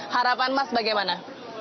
harapan mas bagaimana